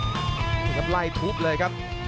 นี่ครับไล่ทุบเลยครับ